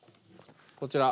こちら。